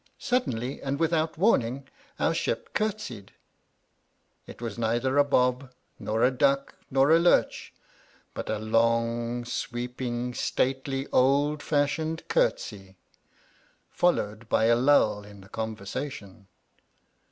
Suddenly and without warn ing our ship curtsied. It was neither a bob nor a duck nor a lurch, but a long, sweeping, stately old fashioned curtsy. Followed a lull in the conversation.